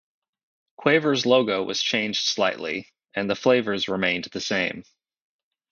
Quavers' logo was changed slightly, and the flavours remained the same.